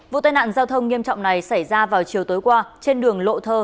vụ tai nạn giao thông nghiêm trọng này xảy ra vào chiều tối qua trên đường lộ thơ